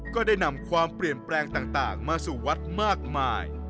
ก็ได้นำความเปลี่ยนแปลงต่างมาสู่วัดมากมาย